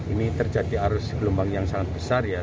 ini terjadi arus gelombang yang sangat besar ya